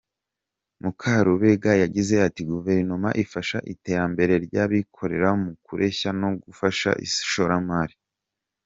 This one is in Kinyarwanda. Mukarubega yagize ati “Guverinoma ifasha iterambere ry’abikorera mu kureshya no gufasha ishoramari.